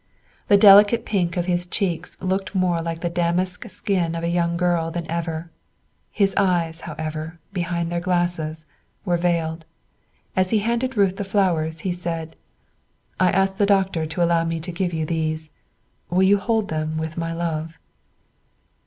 The delicate pink of his cheeks looked more like the damask skin of a young girl than ever; his eyes, however, behind their glasses, were veiled. As he handed Ruth the flowers, he said, "I asked the doctor to allow me to give you these. Will you hold them with my love?"